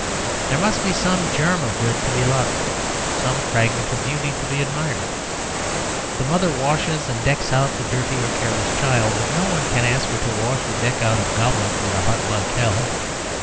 There must be some germ of good to be loved, some fragment of beauty to be admired. The mother washes and decks out the dirty or careless child, but no one can ask her to wash and deck out a goblin with a heart like hell.